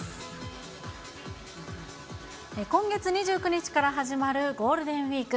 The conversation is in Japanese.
今月２９日から始まるゴールデンウィーク。